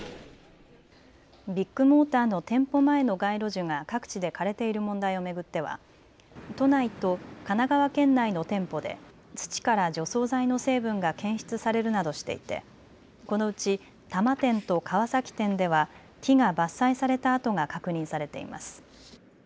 ビッグモーターの店舗前の街路樹が各地で枯れている問題を巡っては都内と神奈川県内の店舗で土から除草剤の成分が検出されるなどしていてこのうち多摩店と川崎店では木が伐採された跡が確認されています。